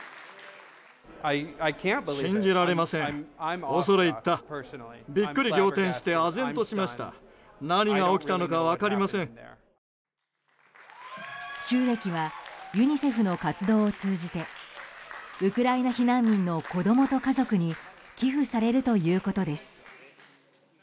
収益はユニセフの活動を通じてウクライナ避難民の子供と家族に寄付されるということです。